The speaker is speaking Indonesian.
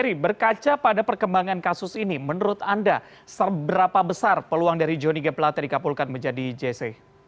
terkaca pada perkembangan kasus ini menurut anda seberapa besar peluang dari jonny g plata dikapulkan menjadi jc